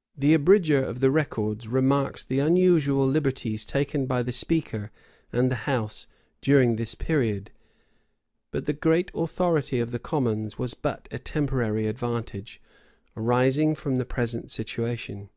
[] The abridger of the records remarks the unusual liberties taken by the speaker and the house during this period.[] But the great authority of the commons was but a temporary advantage, arising from the present situation.